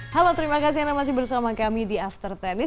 halo terima kasih anda masih bersama kami di after tennis